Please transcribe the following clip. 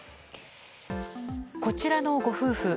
こちらのご夫婦。